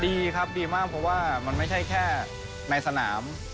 ดีครับดีมากเพราะว่ามันไม่ใช่แค่ในสนาม